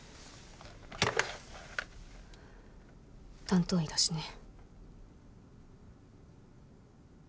担当医だしね。